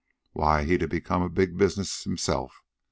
"Why, he'd a become big business himself.